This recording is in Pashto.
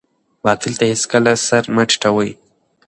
باطل ته هېڅکله سر مه ټیټوئ.